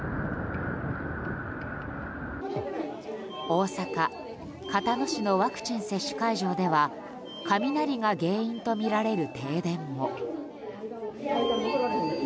大阪・交野市のワクチン接種会場では雷が原因とみられる停電も。